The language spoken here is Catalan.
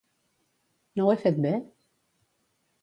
No ho he fet bé?